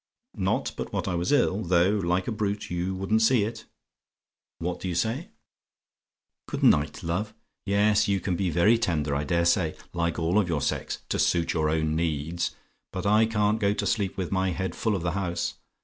Not but what I was ill; though, like a brute, you wouldn't see it. "What do you say? "GOOD NIGHT, LOVE? "Yes: you can be very tender, I dare say like all of your sex to suit your own ends; but I can't go to sleep with my head full of the house.